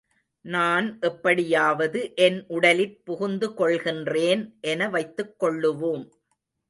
நான் எப்படியாவது என் உடலிற் புகுந்து கொள்ளுகின்றேன் என வைத்துக் கொள்ளுவோம்.